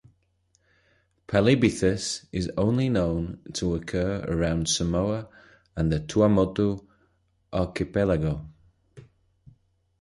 "Palibythus" is only known to occur around Samoa and the Tuamotu Archipelago.